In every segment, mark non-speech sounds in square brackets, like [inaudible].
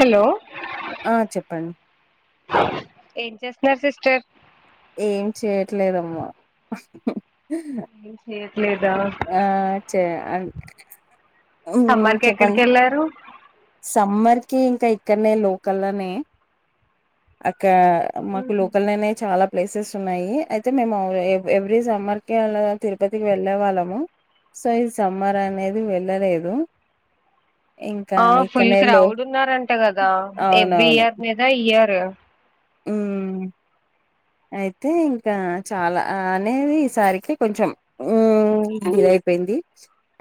Hello ఆ చెప్పండి ఏం చేస్ గా సిస్టర్ ఏం చేయట్లేదమ్మా ఏం చెయ యా చ్చే అన్ సమ్మర్కి ఎక్కడికెళ్ళారు సమ్మర్కి ఇంకా ఇక్కన్నే లోకల్లనే అ క్యా మాకు లోకల్లోనే చాలా ప్లేసెస్ ఉన్నాయి అయితే మేము ఎవ్రీ సమ్మర్ కి అలా తిరుపతికి వెళ్ళే వాళ్ళము సో ఈ సమ్మర్ అనేది వెళ్ళలేదు [inaudible] ఇంకా ఆ ఇ ఫుల్ క్రౌడ్ ఉన్నారంట గదా ఎవ్రీ అవునవును ఇయర్ మీద ఇయరు హ్మ్. [inaudible] అయితే ఇంకా చాలా అనేది ఈసారికి కొంచెం ఉ ఇదయిపోయింది ది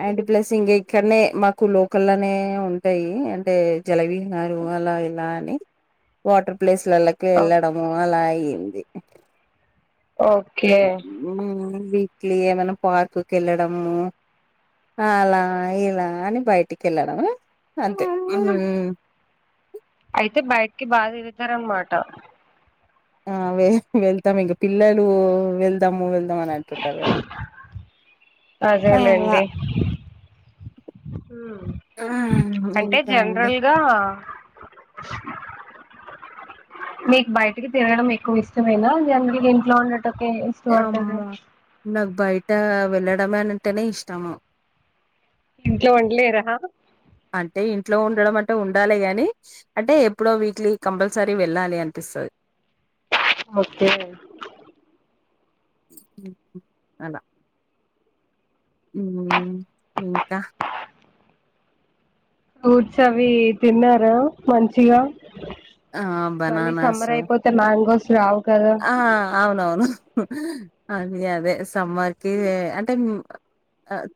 అండ్ ప్లస్ ఇంగ ఇక్కన్నే మాకు లోకల్ నే ఉంటాయి అంటే జలవి నారు వాల్లా వీల్లా అని వాటర్ ప్లేస్లలో ఎళ్ళడము అలా అయ్యింది ఓకే మ్ వీక్లీ ఏమైనా పార్కుకెళ్ళడము ఆలా ఇలా అని బయటికెళ్ళడం అంతే హు అయితే బయిటికి బాగా దిగుతారన్నమాట ఆ వె వెళ్తాం ఇంక పిల్లలు వెళ్ దాము వెళ్దాం అంటున్నారు గదా ఆ ఉ అంటే ఇంకా అండి జండ్రల్ గా [inaudible] మీకు బయటికి తిరగడం ఎక్కువ ఇష్టమేనా ల్యాకుంటే గింట్లోనే ఉం ఒకే ఇష్టపడతారా ట వెళ్ళడమంటేనే ఇష్టము ఇంట్లో ఉండలేరా అంటే ఇంట్లో ఉండడం అంటే ఉండాలె గాని అంటే ఎప్పుడో వీక్లీ కంపల్సరీ వెళ్ళాలి అనిపిస్తది ఒకే అలా మ్ ఇంకా వూడ్స్ అవి తిన్నారా మంచిగా ఆ మళ్ళీ బనానాస్ సమ్మర్ అయిపోతే మ్యాంగోస్ రావు కదా ఆ అవునవును అది అదే సమ్మర్ కి అంటే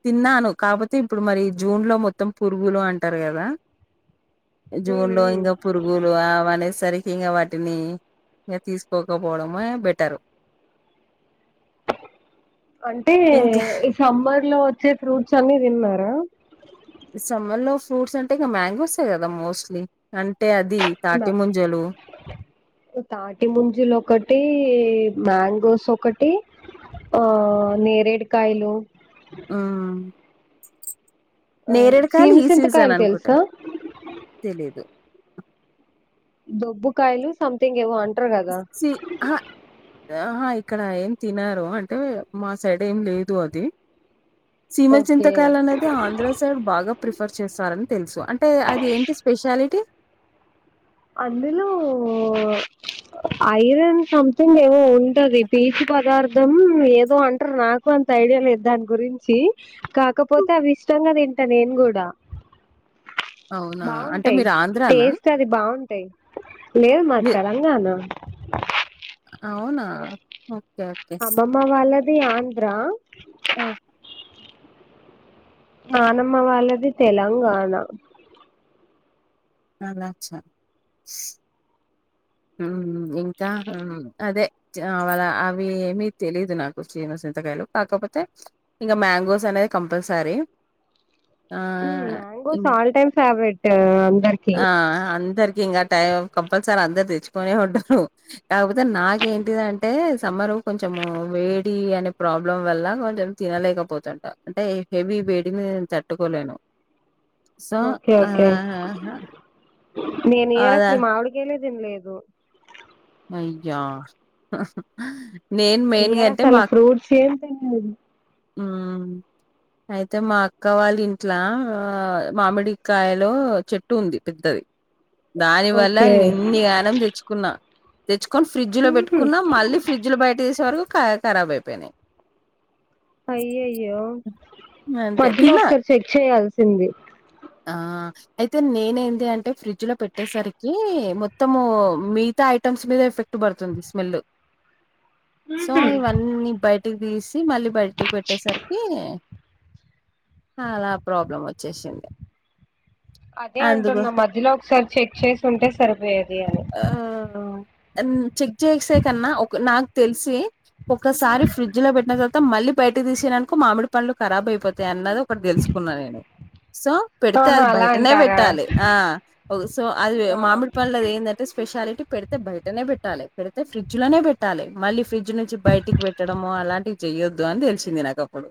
తిన్నాను కాకపోతే ఇప్పుడు మరి జూన్లో మొత్తం పురుగులు అంటారు కదా. జూన్లో ఇంకా పురుగులు అవి అనేసరికి ఇంకా వాటిని ఇకా తీస్క్ తీస్కోకపోవడమే బెటరు అంటే ఇంకా ఈ సమ్మర్లో వచ్చే ఫ్రూట్స్ అన్ని తిన్నారా. ఈ సమ్మర్లో ఫ్రూట్స్ అంటే ఇగ మ్యాంగోసే కదా మోస్ట్లీ అన్ ఉంబ తాటి ముంజలు ఒకటి మ్యాంగోస్ ఒకటి ఆ నేరేడుకాయలు ఉ ఆ నేరెడుకాయాలు ఈ సీజన్ సీమసింతకాయలు అనుకుంటా తెలుసా తెలీదు దొబ్బు కాయలు సంథింగ్ ఏవో అన్ సి హా ఆహా ఇక్కడ ఏం తినరు అంటే మా సైడు ఏం లేదు అది సీమ ఓకే చింతకాయలు అనేది ఆంధ్ర సైడ్ బాగా ప్రిఫర్ చేస్తారని తెలుసు అంటే టే అది ఏంటి స్పెషాలిటీ అందులో ఐరన్ సంథింగ్ ఏమో ఉన్ అంటే అది పీచు పదార్త్ దం ఏదో అంటారు నాకు అంత ఐడియా లేదు దాని గురించి కాకపోతే అవి ఇష్టంగా తిన్ ట నేను కూడా అవునా? అంటే బాగుంటాయి మీరు ఆంధ్రానా? టేస్ట్ అది బాగున్ టాయ్ లేదు మాది మీ తెలంగాణ అవునా ఓకే. అమ్మమ్మ వాళ్ళది ఆంద్రా ఓ నానమ్మ వాళ్ళది తెలంగాణ అలచ్చా ఉమ్ ఇంకా అదే అవాలా అవి ఎమీ తెలీదు నాకు చినస్ చింతకాయలు కాకపోతే ఇంకా మ్యాంగోస్ అనేది కంపల్సరీ. [inaudible] ఆహ్, మ్యాంగోస్ ఇం ఆల్ టైమ్ ఫేవరెటు అందరికి టైమ్ కంపల్సరి అందర్ తెచ్చుకొనే ఉంటారు కాకపోతే నాకేంటిది అంటే సమ్మరు కొంచము వేడి అనే ప్రాబ్లం వల్ల నేన్ కొంచెం తినలేకపోతుంట అంటే హెవీ వేడిని నేను తట్టుకోలేను. సో ఓకే ఓకే అలా అహహ నేను ఈ ఇయర్ అసలు మామిడికాయలే తిన్లేదు అయ్యో ఆహా హు ఈ ఇయర్ అసలు ఫ్రూట్స్ ఏం తినలేదు హ్మ్ అయితే మా అక్క వాళ్ళ ఇంట్లా మామిడికాయలో చెట్టు ఉంది పెద్దది. [inaudible] దాని వల్ల ఓకే నేను ఇన్ని యానం తెచ్చుకున్నా తెచ్చుక్ కొని ఫ్రిడ్జ్ లో పెట్టుకున్నా మళ్ళీ ఫ్రిడ్జ్ లో బయట తీసే వరకు ఖ ఖరాబ్ అయిపోయినాయి. అయ్య అయ్యో అంతే మధ్యలో తిన్నా ఒకసారి చెక్ చేయాల్సింది ఆ ఆ అయితే నేను ఏంది అంటే ఫ్రిడ్జ్ లో పెట్టేసరికి మొత్తము మిగతా ఐటమ్స్ మీద ఎఫెక్ట్ పడుతుంది స్మెల్ ఆ సో ఇవన్నీ బయటికి తీసి మళ్ళీ బయటికి పెట్టేసరికి ఆలా ప్రాబ్లం వచ్చేసింది అదే అందుకు అంటున్నా మధ్యలో ఒకసారి చెక్ చేసి ఉంటే సరిపోయేది అని ఆ చెక్ చేసే కన్నా ఒక నాకు తెలిసి ఒకసారి ఫ్రిడ్జ్ లో పెట్టిన త తా మళ్ళీ బయట తీసేననుకో మామిడి పళ్ళు ఖరాబ్ అయిపోతాయి అన్నది ఒకటి తెలుసుకున్నా నేను సో పెడితే ఆహా అది అలా బయటనే అంటారా పెట్టాలి ఆ సో అది మామిడి పళ్ళు ఏంటంటే స్పెషాలిటీ పెడితే బయటనే పెట్టాలి పెడితే ఫ్రిడ్జ్ లోనే పెట్టాలి మళ్ళీ ఫ్రిడ్జ్ నుంచి బయటికి పెట్టడో అలాంటివి చెయ్యొద్దు అని తెలిసింది నాకు అప్పుడు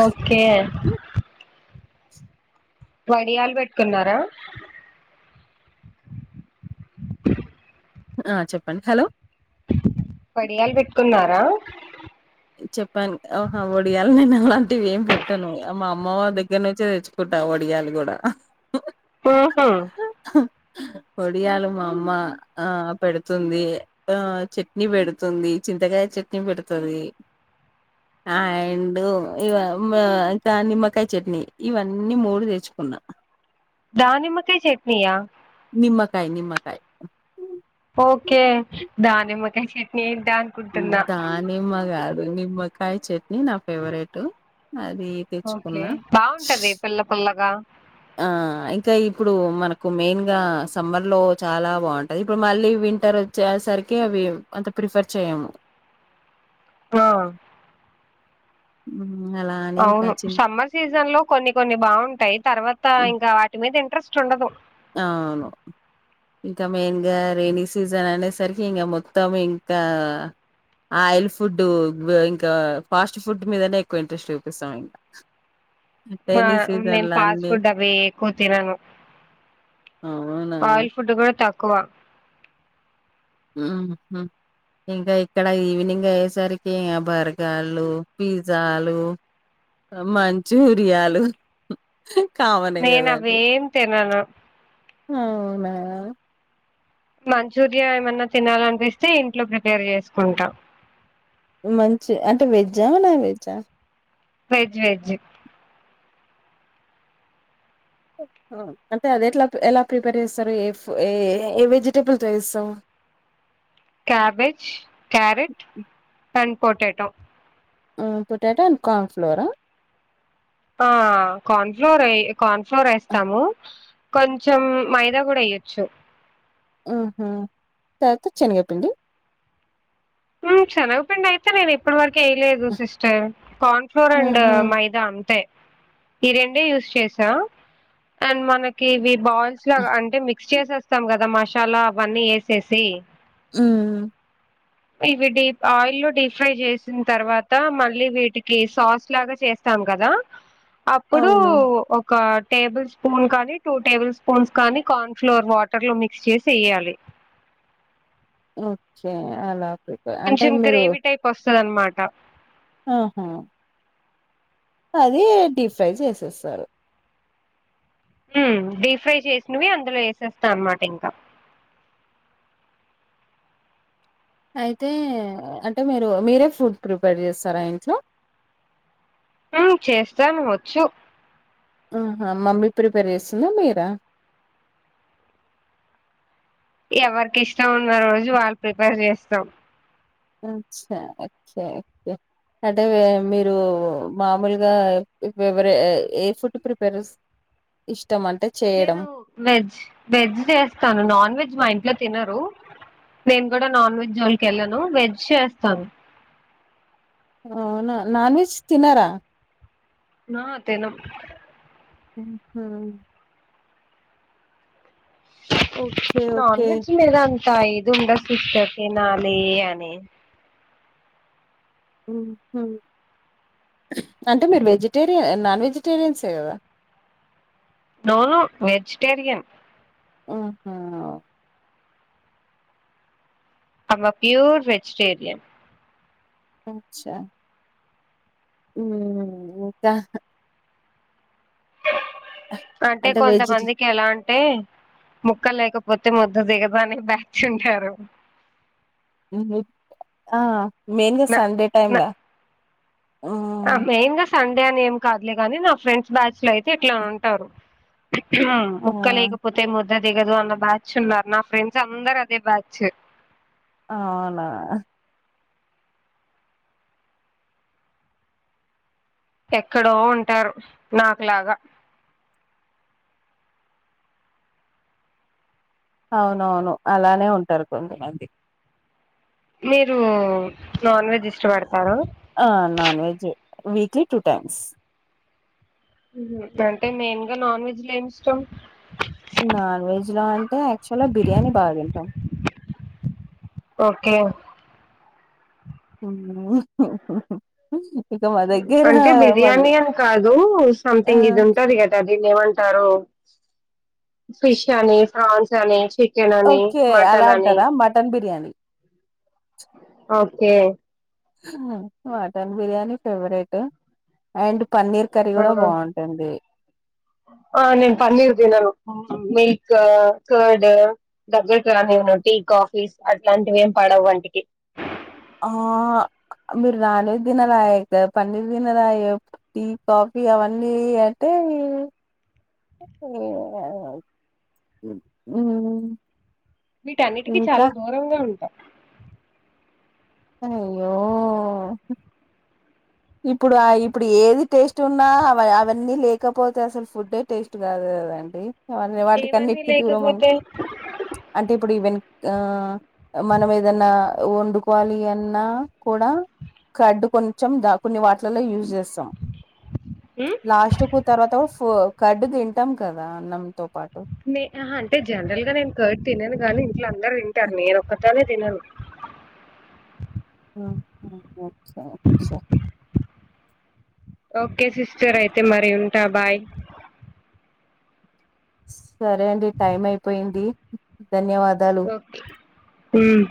ఓకే వడియాలు పెట్టుకున్నారా ఆ చెప్పండి హలో పడియాలు పెట్టుకున్నారా చెప్పాను అవు హ వడియాలు నేను అలాంటివి ఏం పెట్టాను మా అమ్మ దగ్గర నుంచే తెచ్చు కుంట వడియాలు కూడా ఆహా పొడియాలు మా అమ్మ ఆ పెడుతుంది ఆ చట్నీ పెడుతుంది చింతకాయ చట్నీ పెడుతుంది అండ్ ఇ ఇంకా నిమ్మకాయ చట్నీ ఇవన్నీ మూడు తెచ్చుకున్నా దానిమ్మకాయ చట్నీయా నిమ్మకాయ నిమ్మకాయ ఓకే దానిమ్మకాయ చట్నీ అనుకుంటున్నా దానిమ్మకాయ కాదు నిమ్మకాయ చట్నీ నా ఫేవరెట్ అది తెచ్చుకున్న ఓకే బాగుంటది పుల్ల పుల్లగా ఆ ఇంకా ఇప్పుడు మనకు మెయిన్ గా సమ్మర్ లో చాలా బాగుంటది ఇప్పుడు మళ్ళీ వింటర్ వచ్చే సరికి అవి అంత ప్రిఫర్ చేయము ఆ ఉ అవును సమ్మర్ సీజన్ లో కొన్ని కొన్ని బాగుంటాయి తర్వాత హ్మ్. ఇంకా వాటి మీద ఇంట్రెస్ట్ ఉండదు అవును ఇంకా మెయిన్గా రెనీ సీజన్ అనే సరికి ఇంకా మొత్తం ఇంకా ఆయిల్ ఫుడ్ ఇంకా ఫాస్ట్ ఫుడ్ మీదనే ఎక్కువ ఇంట్రెస్ట్ చూపిస్తాం ఇంకా మా నేను ఫాస్ట్ ఫుడ్ అవి ఎక్కువ తినను అవునా! ఆయిల్ ఫుడ్ కూడా తక్కువ ఉమ్మ్ ఇంకా ఇక్కడ ఈవినింగ్ అయ్యేసరికి బర్గార్లు పిజ్జాలు మంచూరియాలు కామనే నేను కదండి అవేం తినను అవునా మంచూరియా ఏమన్నా తినాలనిపిస్తే ఇంట్లో ప్రిపేర్ చేసుకుంటా మంచ్ అంటే వెజ్ నాన్ వెజ్ ఆ వెజ్ వెజ్ [inaudible] ఆ అంటే అది ఎట్లా ఎలా ప్రిపేర్ చేస్తారు ఏ ఏ ఏ వెజిటేబుల్ చేస్తావు క్యాబేజ్ క్యారెట్ వన్ పోటాటో ఆ పొటాటో అండ్ కార్న్ ఫ్లోర్ ఆ ఆ కార్న్ ఫ్లోర్ ఏ కార్న్ఫ్లోర్ వేస్తాము కొంచెం మైదా కూడా వేయ్యొచ్చు ఆహ తర్వాత శనగ పిండి ఊ శనగ పిండి అయితే ఇప్పుడు వరకు ఏయలేదు సిస్టర్ కార్న్ ఫ్లోర్ అండ్ ఆహా! మైదా అంతే ఈ రెండే యూస్ చేసా అండ్ మనకి ఇవి బాల్స్ లాగా అంటే మిక్ మిక్స్ చేసేస్తాం కదా మసాలా అవన్నీ వేసేసి ఊ ఇవి డీప్ ఆయిల్ డీప్ ఫ్రై చేసిన తర్వాత మళ్ళీ వీటికి సాస్ లాగా చేస్తా కదా అప్పుడు అవును. ఒక టేబుల్ స్పూన్ కానీ టూ టేబుల్ స్పూన్స్ కానీ కార్న్ ఫ్లోర్ వాటర్ లో మిక్స్ చేసి వేయాలి [inaudible] వచ్చే అలా ప్రిపేర్ అంటే కొంచెం మీరు గ్రేవీ టైప్ వస్తుంది ఆనమాట ఆహా అది డీప్ ఫ్రై చేసేస్తారు ఉ డీప్ ఫ్రై చేసినవి అందులో వేసేస్తా అన్నమాట ఇంకా అయితే అంటే మీరు మీరే ఫుడ్ ప్రిపేర్ చేస్తారా ఇంట్లో ఆ చేస్తాం వచ్చు ఆహా మమ్మీ ప్రిపేర్ చేస్తుందా మీరా ఎవరికి ఇష్టం ఉన్న రోజు వాళ్ళు ప్రిపేర్ చేస్తాం అచ్చ ఒకే ఒకే అంటే మీరు మామూలుగా ఫేవర్ ఎ ఫుడ్ ప్రిపేర్ చేస్త ఇష్ నేను వెజ్ వెజ్ చేస్తాను నాన్ వెజ్ మా ఇంట్లో తినరు నేను కూడా నాన్ వెజ్ జోలికి వెళ్ళాను వెజ్ చేస్తాను [inaudible] అవునా నాన్ వెజ్ తినరా లో తను ఊహ ఓకే. Non okay. వెజ్ లేదా తా ఇది ఉండచ్చు సిస్టర్ తినాలి అనీ ఉహు అంటే మీరు వెజిటేరియ నాన్ వెజిటేరియన్సే కదా నో వెజిటేరియన్ ఆహా ఆమె ప్యూర్ వెజిటేరియన్ అచ్చా మ్ ఇంకా అంటే కొంతమందికి ఎలా అంటే ముక్కలు లేకపో పోతే మొద్ద దిగదు అనే బ్యాచ్ ఉంటారు. ఆ మెయిన్గా సండే టైమ్ల. ఆ మెయిన్ గా సండే అని ఏం కాదులే గానీ, నా ఫ్రెండ్స్ బ్యాచ్ లో అయితే ఇట్లా ఉంటారు. హా ఆ! ముక్క లేకపోతే ముద్ అ దిగదు అన్న బ్యాచ్ ఉన్నారు నా ఫ్రెండ్స్ అందరు అదే బ్యాచ్. అవునా ఎక్కడో ఉంటారు నాకులాగా. అవునవును అలానే ఉంటారు కొంతమంది. మీరు నాన్ వెజ్ ఇష్టపడతార? ఆ non veg, weekly two times. మ్ హు అంటే మెయిన్ గా నాన్ వెజ్ లో ఏమిష్టం? నాన్ వెజ్ లో అంటే యాక్చువల్గా బిర్యానీ బా తింటాం. ఓకే. [inaudible] ఇక మా దగ్గర అంటే మది బిర్యానీ అని కాదు. ఆ సంథింగ్ ఇది ఉంటది కదా దీన్ని ఏమంట తారో ఫిష్ అని, ఫ్రాన్స్ అని, చి చికెన్ అని, ఓకే అలా మటన్ అని. అంటారా mutton biryani okay. Mutton biryani favourite. And paneer curry ఆ కూడా బాగుంటుంది. ఆ నేను పన్నీర్ తినను. మిల్క్, కర్డ్ దగ్గరికి రానీయ ను టీ, కాఫీస్ అట్లాంటివి ఏం పడవు వంటికి. ఆ మీరు నాన్వేజ్ తినరాయే. క పన్నీర్ తినరాయే. టీ, కాఫీ అవన్నీ అంటే [inaudible] మ్ వీటన్నిటికీ చాలా దూరంగా ఉన్ అయ్యో [inaudible] ఇప్పుడు ఆ, ఇప్పుడు ఏది టేస్ట్ ఉన్నా, అల అవన్నీ లేకపోతే అసలు ఫుడ్డే టేస్ట్ కాదు. కదండి అవన్నీ వాటికి ఏవన్నీ అన్నిటికీ దూరం ఉన్, లేకపోతే అంటే ఇప్పుడు ఇవన్ ఆ మనం ఏదన్నా వండు కోవాలి అన్నా కూడ, కడ్డు కొంచెం ద కొన్ని వాటి వాటిలలో యూస్ చేస్తాం. ఉమ్, లాస్ట్ కు తర్వాత ఫో కర్డ్ తింటాం కదా అన్నంతో పాటు. నే ఆహా, అంటే జనరల్ గా నేను కర్డ్ తినను గానీ ఇంట్లో అందరు తింటారు. నేనొక్కదాన్నే తినను. ఓహోహొ అచ్చ అచ్చ. ఓకే సిస్టర్ అయితే మరి ఉంటా బాయ్. సరే అండి టైం అయిపోయింది. ధన్యవాదాలు ఓకే మ్